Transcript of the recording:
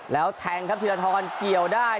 แล้วแทงครับธีรทรเกี่ยวได้